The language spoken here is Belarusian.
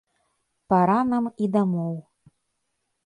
Пара нам і дамоў.